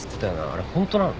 あれ本当なの？